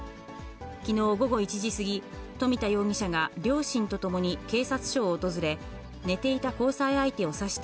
きのう午後１時過ぎ、富田容疑者が両親と共に警察署を訪れ、寝ていた交際相手を刺した。